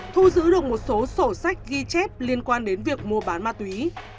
thu giữ được một số sổ sách ghi chép liên quan đến việc mua bán ma túy